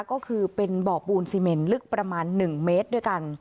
ก็คือเป็นบ่อปูนซีเมนลึกประมาณ๑เมตรด้วยกัน